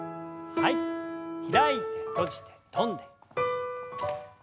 開いて閉じて跳んで。